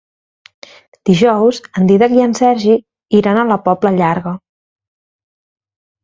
Dijous en Dídac i en Sergi iran a la Pobla Llarga.